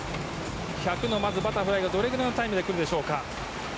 １００のバタフライでどれぐらいのタイムでくるでしょうか。